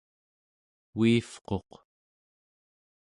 uivquq